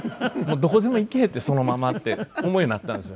どこでも行けそのままって思うようになったんですよ。